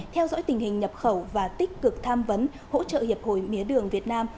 theo dõi tình hình nhập khẩu và tích cực tham vấn hỗ trợ hiệp hội mía đường việt nam